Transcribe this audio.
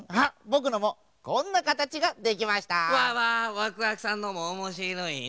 ワクワクさんのもおもしろいね。